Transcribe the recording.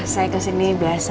saya kesini biasa